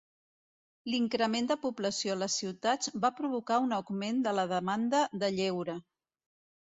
L'increment de població a les ciutats va provocar un augment de la demanda de lleure.